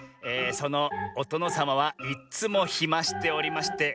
「そのおとのさまはいっつもひましておりまして